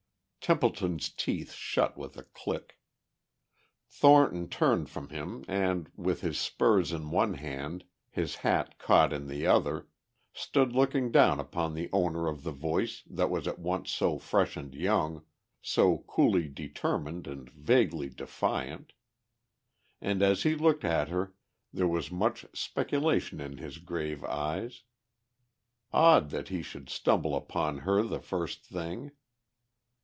Templeton's teeth shut with a click. Thornton turned from him and, with his spurs in one hand, his hat caught in the other, stood looking down upon the owner of the voice that was at once so fresh and young, so coolly determined and vaguely defiant. And as he looked at her there was much speculation in his grave eyes. Odd that he should stumble upon her the first thing.